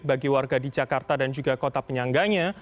bagi warga di jakarta dan juga kota penyangganya